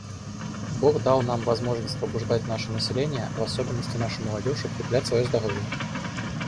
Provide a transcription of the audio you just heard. Бог дал нам возможность побуждать наше население, в особенности нашу молодежь, укреплять свое здоровье.